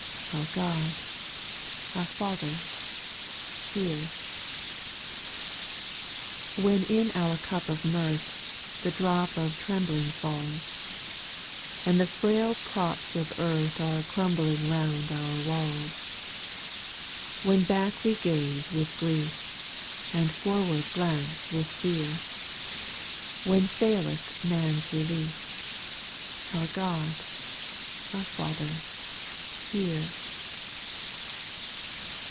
Our God, our Father^ hear I 226 SPIRITUAL SOKGS, 8. When in our cup of mirth The drop of trembling falls, And the frail props of earth Are crumbling round our walls ; When back Tve gaze with grief, And forward glance with fear, Wlien faileth man's relief, Our God, our Father, hear !